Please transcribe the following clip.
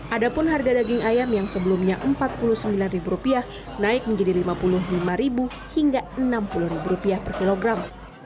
ada pun harga daging ayam yang sebelumnya rp empat puluh sembilan naik menjadi rp lima puluh lima hingga rp enam puluh per kilogram